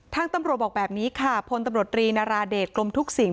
ทางตำรวจบอกแบบนี้ค่ะพลตำรวจรีนาราเดชกลมทุกสิ่ง